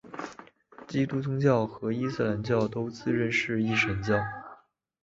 基督宗教和伊斯兰教都自认是一神教。